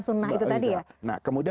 sunnah itu tadi ya